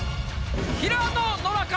平野ノラか？